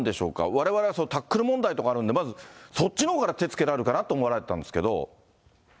われわれはタックル問題とかあるんで、まずそっちのほうから手付けられるかなと思ってたんですけど。